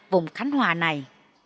vùng khánh hòa này